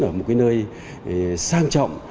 ở một nơi sang trọng